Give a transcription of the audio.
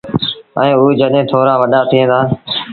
ائيٚݩ او جڏهيݩ ٿورآ وڏآ ٿيٚن دآ۔